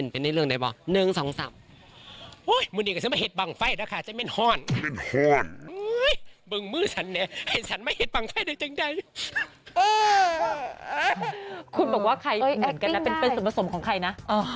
เป็นสุดผสมของใครนะ